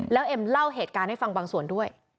แล้วเอ็มเล่าเหตุการณ์ให้ฟังบางส่วนด้วย